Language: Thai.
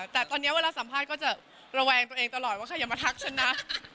แต่ตอนนี้เวลาสัมภาษณ์ก็จะระแวงตัวเองตลอดว่าใครอย่ามาทักฉันนะ